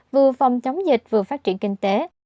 vừa phòng chống dịch vừa phát triển kinh tế